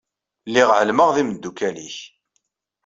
Lliɣ ɛelmeɣ d imdukal-ik.